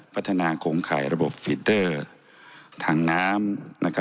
พัฒนาโครงข่ายระบบฟีเตอร์ทางน้ำ